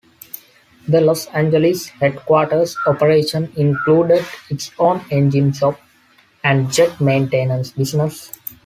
The Los Angeles headquarters operation included its own engine shop and jet maintenance business.